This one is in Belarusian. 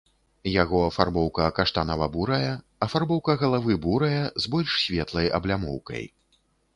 Яго афарбоўка каштанава-бурая, афарбоўка галавы бурая з больш светлай аблямоўкай.